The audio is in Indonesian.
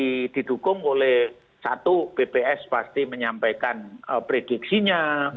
karena nanti didukung oleh satu bps pasti menyampaikan prediksinya